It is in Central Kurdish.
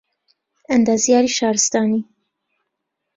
ئەندازیاریی شارستانی